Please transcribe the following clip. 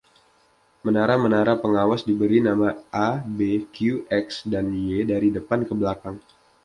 Menara-menara pengawas diberi nama 'A', 'B', 'Q', 'X' dan 'Y', dari depan ke belakang.